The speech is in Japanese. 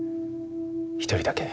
一人だけ。